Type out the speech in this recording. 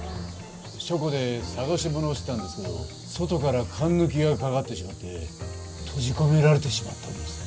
書庫で捜し物をしてたんですけど外からかんぬきがかかってしまって閉じ込められてしまったんです。